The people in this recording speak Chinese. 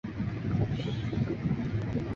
位于湄南河支流昭披耶河西畔的吞武里区。